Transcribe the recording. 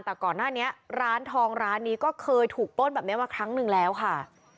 แต่ก่อนหน้านี้ร้านทองร้านนี้ก็เคยถูกปล้นแบบนี้มาครั้งหนึ่งแล้วค่ะ